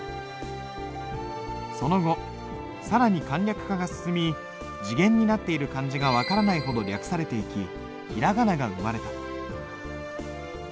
その後更に簡略化が進み字源になっている漢字が分からないほど略されていき平仮名が生まれた。